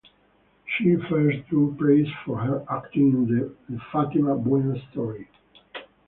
She first drew praise for her acting in "The Fatima Buen Story".